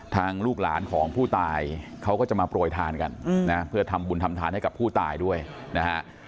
ลูกหลานของผู้ตายเขาก็จะมาโปรยทานกันนะเพื่อทำบุญทำทานให้กับผู้ตายด้วยนะฮะ